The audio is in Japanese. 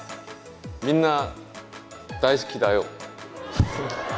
みんな大好きだよ。